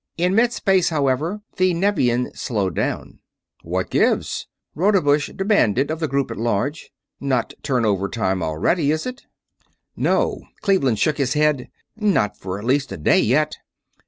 In mid space, however, the Nevian slowed down. "What gives?" Rodebush demanded of the group at large. "Not turn over time already, is it?" "No." Cleveland shook his head. "Not for at least a day yet."